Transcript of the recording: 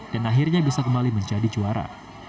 dan akhirnya bisa kembali menjadi juara